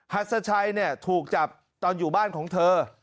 หัสชัยถูกจับตอนอยู่บ้านของเธอ